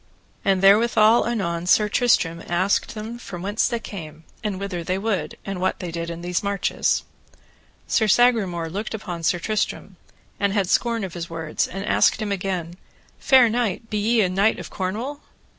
And therewithal anon Sir Tristram asked them from whence they came, and whither they would, and what they did in those marches. Sir Sagramore looked upon Sir Tristram, and had scorn of his words, and asked him again, Fair knight, be ye a knight of Cornwall?